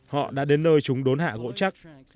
họ đã đến nơi chúng đốn hạ gỗ chắc